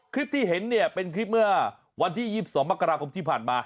คลิปที่เห็นเนี่ยเป็นคลิปเมื่อวันที่๒๒มกราคมที่ผ่านมา